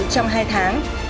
trong hai tháng